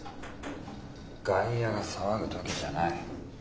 外野が騒ぐ時じゃない。